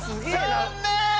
残念！